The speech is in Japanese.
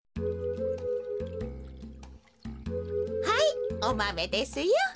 はいおマメですよ。